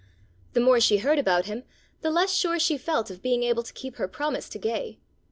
"] The more she heard about him the less sure she felt of being able to keep her promise to Gay.